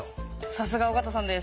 さすが尾形さんです。